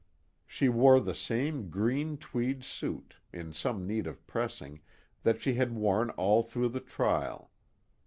She wore the same green tweed suit, in some need of pressing, that she had worn all through the trial.